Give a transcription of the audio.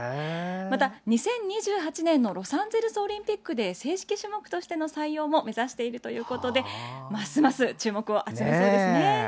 また２０２８年のロサンゼルスオリンピックで正式種目としての採用も目指しているということでますます注目を集めそうですね。